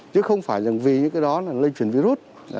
chứ không phải rằng vì những cái đó là lây truyền virus